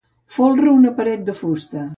Folra una paret de fusta.